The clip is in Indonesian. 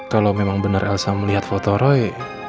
kalo memang bener elsa melihat foto roy